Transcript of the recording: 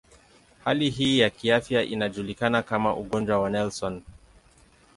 Hali hii ya kiafya inajulikana kama ugonjwa wa Nelson.